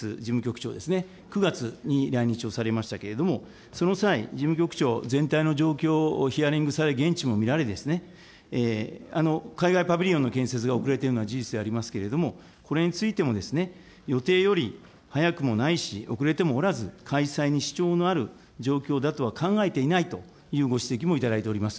博覧会事務局ＢＩＥの事務局長ですけれども、９月に来日をされましたけれども、その際、事務局長、全体の状況をヒアリングされ、現地も見られ、海外パビリオンの建設が遅れているのは事実でありますけれども、これについてもですね、予定より早くもないし、遅れてもおらず、開催に支障のある状況だとは考えていないというご指摘もいただいております。